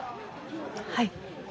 はい。